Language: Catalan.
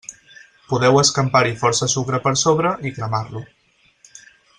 Podeu escampar-hi força sucre per sobre i cremar-lo.